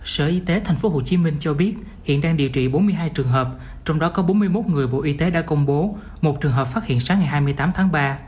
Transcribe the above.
sở y tế tp hcm cho biết hiện đang điều trị bốn mươi hai trường hợp trong đó có bốn mươi một người bộ y tế đã công bố một trường hợp phát hiện sáng ngày hai mươi tám tháng ba